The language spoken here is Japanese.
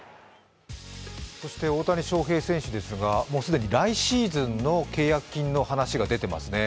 大谷翔平選手ですが、もう既に来シーズンの契約金の話が出ていますね。